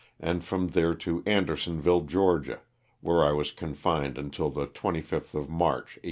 and from there to Andersonville, Ga., where I was confined until the 25th of March, 1865.